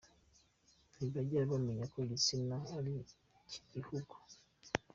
Ntibajya bamenya ko igitsina ari nk’igihugu.